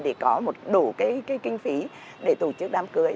để có một đủ kinh phí để tổ chức đám cưới